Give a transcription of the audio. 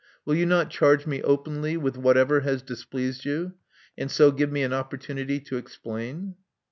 Will you not charge me openly with whatever has displeased you; and so give me an opportunity to explain.'